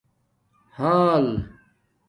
حال